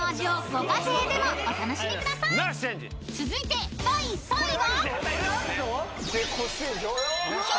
［続いて第３位は？］